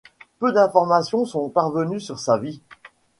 Peu d'informations sont parvenues sur sa vie.